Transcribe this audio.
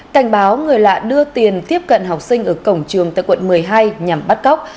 cảnh báo người lạ đưa tiền tiếp cận học sinh ở cổng trường tại quận một mươi hai nhằm bắt cóc